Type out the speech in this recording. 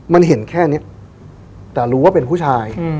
มันเห็นแค่นี้แต่รู้ว่าเป็นผู้ชาย